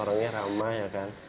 orangnya ramah ya kan